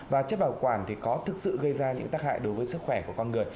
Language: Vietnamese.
và chất bảo quản thì có thực sự gây ra những tác hại đối với sức khỏe của con người